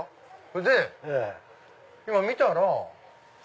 それで今見たら。